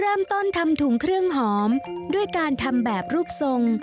เริ่มต้นทำถุงเครื่องหอมด้วยการทำแบบรูปทรง